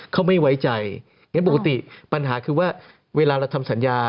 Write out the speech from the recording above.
เขาไม่ไว้ใจงั้นปกติปัญหาคือว่าเวลาเราทำสัญญา